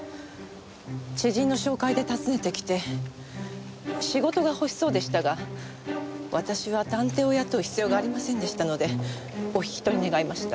知人の紹介で訪ねてきて仕事が欲しそうでしたが私は探偵を雇う必要がありませんでしたのでお引き取り願いました。